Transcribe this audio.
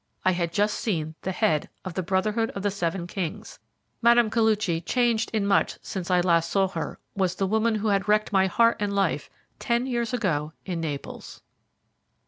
I had just seen the Head of the Brotherhood of the Seven Kings. Mme. Koluchy, changed in much since I last saw her, was the woman who had wrecked my heart and life ten years ago in Naples.